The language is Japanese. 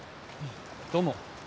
どうも。